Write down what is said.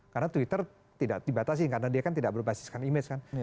karena twitter tidak dibatasi karena dia kan tidak berbasiskan image kan